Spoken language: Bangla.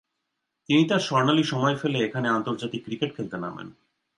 তিনি তার স্বর্ণালী সময় ফেলে এসে আন্তর্জাতিক ক্রিকেট খেলতে নামেন।